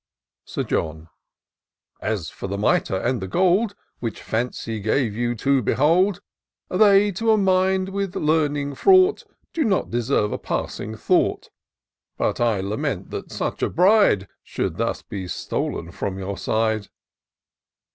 Sir John. " As for the mitre and the gold, Which Fancy gave you to behold. IN SEARCH OF THE PICTURESQUE. 141 They, to a mind with learning fraught. Do not deserve a passing thought ; But I lament that such a bride Should thus be stolen from your side."